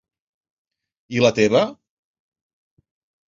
I la teva...?